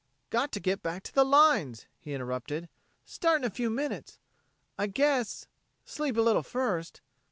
"Got to get back to the lines," he interrupted. "Start in a few minutes. I guess ... sleep a little first.